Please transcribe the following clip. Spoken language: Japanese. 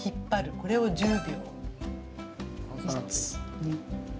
これを１０秒。